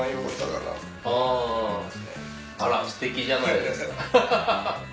あらすてきじゃないですか。